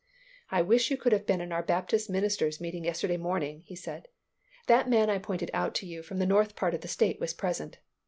"I wish you could have been in our Baptist ministers' meeting yesterday morning," he said; "that man I pointed out to you from the north part of the state was present.